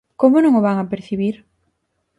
¿Como non o van percibir?